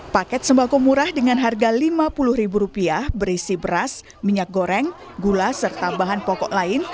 paket sembako murah dengan harga rp lima puluh berisi beras minyak goreng gula serta bahan pokok lain